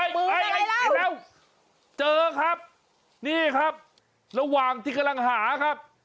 ไปแล้วเจอครับนี่ครับระหว่างที่กำลังหาครับ